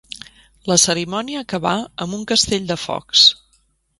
La cerimònia acabà amb un castell de focs.